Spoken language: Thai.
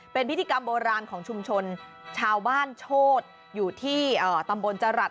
เป็นพิธีกรรมโบราณของชุมชนชาวบ้านโชธอยู่ที่ตำบลจรัส